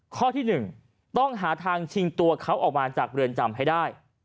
ข้อที่๑ต้องหาทางชิงตัวเขาออกมาจากเรือนจำให้ได้